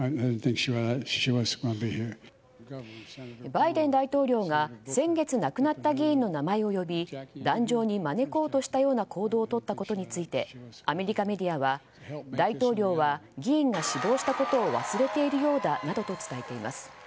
バイデン大統領が先月亡くなった議員の名前を呼び壇上に招こうとしたような行動をとったことでアメリカメディアは大統領は議員が死亡したことを忘れているようだなどと伝えています。